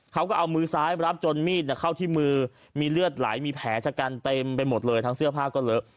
เขาก็เอามือซ้ายรับจนมีดเข้าที่มือมีเลือดไหลมีแผลชะกันเต็มไปหมดเลยทั้งเสื้อผ้าก็เลอะ